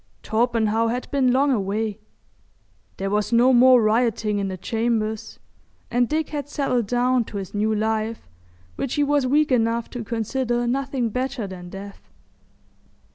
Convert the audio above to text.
Torpenhow had been long away; there was no more rioting in the chambers, and Dick had settled down to his new life, which he was weak enough to consider nothing better than death.